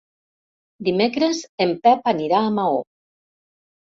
Dimecres en Pep anirà a Maó.